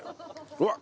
うわっ！